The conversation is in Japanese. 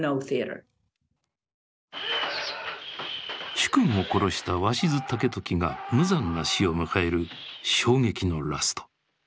主君を殺した鷲津武時が無残な死を迎える衝撃のラスト。